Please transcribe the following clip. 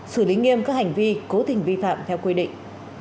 xử lý nghiêm các hành vi cố tình vi phạm theo quy định